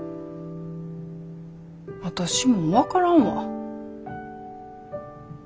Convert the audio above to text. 私も分からんわ。